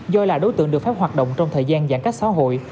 do là đối tượng được phép hoạt động trong thời gian giãn cách xã hội